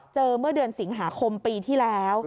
เมื่อเดือนสิงหาคมปีที่แล้ว